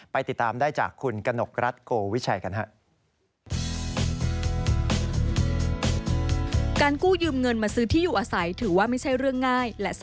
ติดตามได้จากคุณกนกรัฐโกวิชัยกันครับ